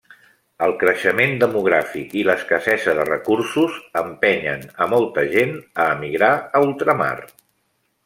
El creixement demogràfic i l'escassesa de recursos empenyen a molta gent a emigrar a ultramar.